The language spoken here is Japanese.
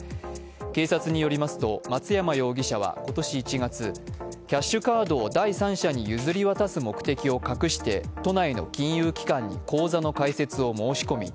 警察によりますと松山容疑者は今年１月、キャッシュカードを第三者に譲り渡す目的を隠して都内の金融機関に口座の開設を申し込み